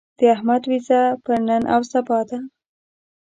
د احمد وېزه پر نن او سبا ده.